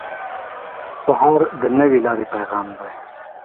سهار د نوې لارې پیغام دی.